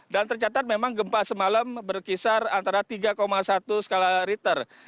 dan tercatat memang gempa semalam berkisar antara tiga satu skala riter